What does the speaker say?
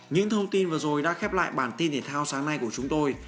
những thông tin vừa rồi đã khép lại bản tin thể thao sáng nay của chúng tôi